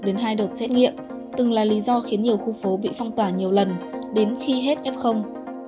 đến hai đợt xét nghiệm từng là lý do khiến nhiều khu phố bị phong tỏa nhiều lần đến khi hết f